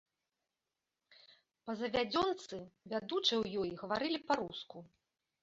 Па завядзёнцы, вядучыя ў ёй гаварылі па-руску.